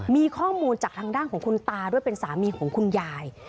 มีข้อมูลจากทางด้านของคุณตาด้วยเป็นสามีของคุณยาย